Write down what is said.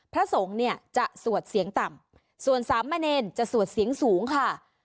พระสงฆ์เนี่ยจะสวดเสียงต่ำส่วนสามเณรจะสวดเสียงสูงค่ะ